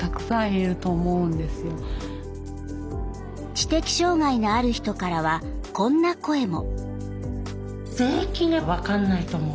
知的障害のある人からはこんな声も。